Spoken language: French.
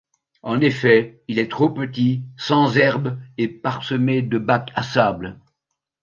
En effet, il est trop petit, sans herbe et parsemé de bacs à sable.